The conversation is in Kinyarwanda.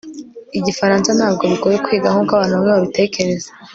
igifaransa ntabwo bigoye kwiga nkuko abantu bamwe babitekereza